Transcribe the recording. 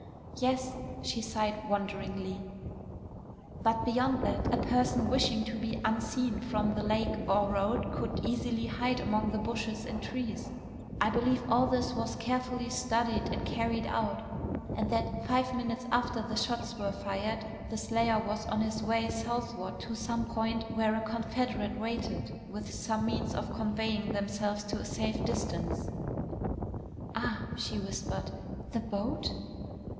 "Yes." She sighed wonderingly. "But beyond that, a person wishing to be unseen from the lake or road could easily hide among the brush and trees. I believe all this was carefully studied and carried out, and that, five minutes after the shots were fired, the slayer was on his way southward to some point where a confederate waited, with some means of conveying themselves to a safe distance." "Ah!" she whispered. "The boat?"